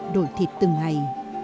đổi thịt từng ngày